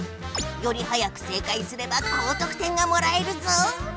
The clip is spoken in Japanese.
よりはやく正解すれば高とく点がもらえるぞ！